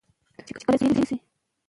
عمومی نړیوال حقوق رسیده ګی ورته کوی